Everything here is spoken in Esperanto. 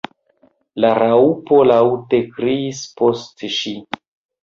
La Raŭpo laŭte kriis post ŝi.